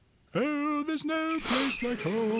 "Oh, there's no place like home!